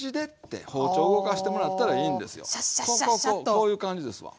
こういう感じですわ。